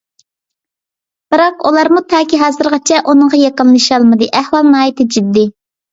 بىراق، ئۇلارمۇ تاكى ھازىرغىچە ئۇنىڭغا يېقىنلىشالمىدى. ئەھۋال ناھايىتى جىددىي.